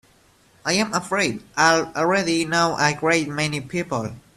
I'm afraid I already know a great many people.